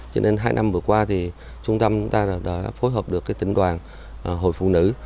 cho nên hai năm vừa qua thì trung tâm chúng ta đã phối hợp được tỉnh đoàn hội phụ nữ